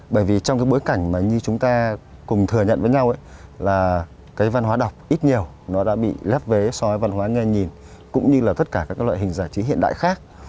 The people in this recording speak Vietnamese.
bởi vì trong cái bối cảnh mà như chúng ta cùng thừa nhận với nhau là cái văn hóa đọc ít nhiều nó đã bị lép vế so với văn hóa nghe nhìn cũng như là tất cả các loại hình giải trí hiện đại khác